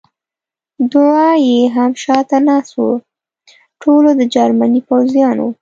دوه یې هم شاته ناست و، ټولو د جرمني پوځیانو.